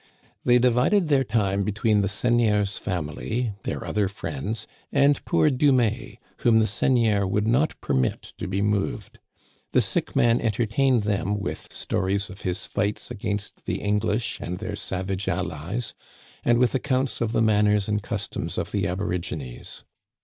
They divided their time between the seigneur's family, their other friends, and poor Dumais, whom the seigneur would not permit to be moved. The sick man entertained them with stories of his fights against the English and their savage allies, and with accounts of the manners and customs of the aborigines.